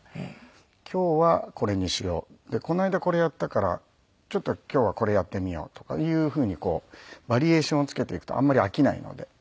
今日はこれにしようこの間これやったからちょっと今日はこれやってみようとかいうふうにバリエーションをつけていくとあんまり飽きないので。